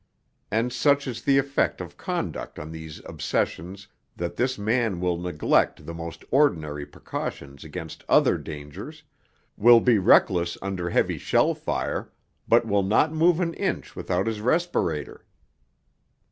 And such is the effect on conduct of these obsessions that this man will neglect the most ordinary precautions against other dangers, will be reckless under heavy shell fire, but will not move an inch without his respirator.